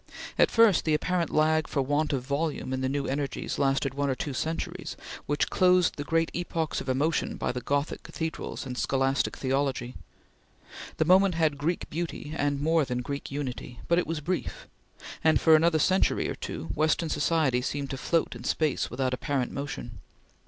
At first, the apparent lag for want of volume in the new energies lasted one or two centuries, which closed the great epochs of emotion by the Gothic cathedrals and scholastic theology. The moment had Greek beauty and more than Greek unity, but it was brief; and for another century or two, Western society seemed to float in space without apparent motion.